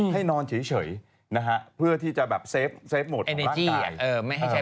ให้นอนเฉยเพื่อที่จะเซฟโหมดของร่างกาย